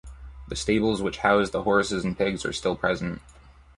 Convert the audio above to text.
The stables which housed the horses and pigs are still present.